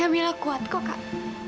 kamila kuat kok kak